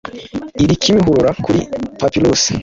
iri Kimihurura kuri Papyrus